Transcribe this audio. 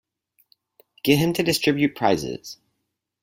Get him to distribute prizes.